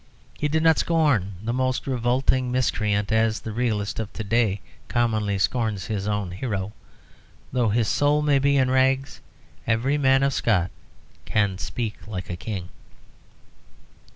He did not scorn the most revolting miscreant as the realist of to day commonly scorns his own hero. Though his soul may be in rags, every man of Scott can speak like a king.